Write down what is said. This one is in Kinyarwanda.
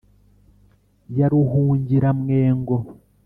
ya ruhungiramwengo :